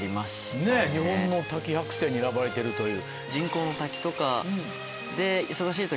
ねっ日本の滝１００選に選ばれてるという。